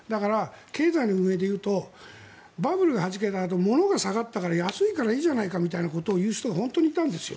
経済の運営で言うとバブルがはじけたあと物が下がったから、安いからいいじゃないかみたいなことを言う人が本当にいたんです。